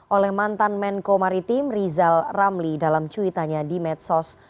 oleh mantan menko maritim rizal ramli dalam cuitannya di medsos